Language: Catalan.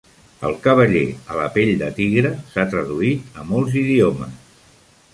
"El cavaller a la pell de tigre" s'ha traduït a molts idiomes.